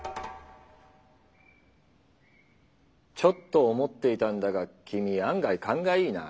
ちょっと思っていたんだが君案外カンがいいな。